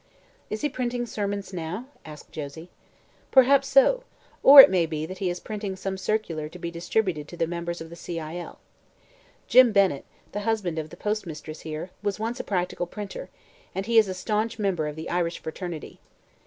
"Is he printing sermons now?" asked Josie. "Perhaps so; or it may be he is printing some circular to be distributed to the members of the C. I. L. Jim Bennett, the husband of the postmistress here, was once a practical printer, and he is a staunch member of the Irish fraternity.